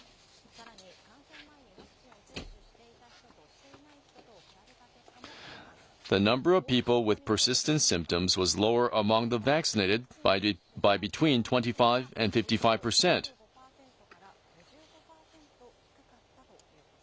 さらに、感染前にワクチンを接種していた人と、していない人を比べた結果もあります。